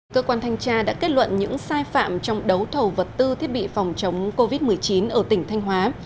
cơ quan thanh tra đã kết luận những sai phạm trong đấu thầu vật tư thiết bị phòng chống covid một mươi chín ở tỉnh thanh hóa